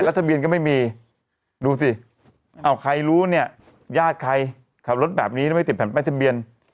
ทะเบียนก็ไม่มีดูสิเอาใครรู้เนี่ยญาติใครขับรถแบบนี้แล้วไม่ติดแผ่นป้ายทะเบียน